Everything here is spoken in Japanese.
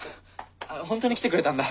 本当に来てくれたんだ。